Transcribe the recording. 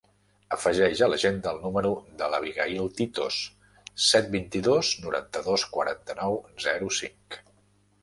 Afegeix a l'agenda el número de l'Abigaïl Titos: set, vint-i-dos, noranta-dos, quaranta-nou, zero, cinc.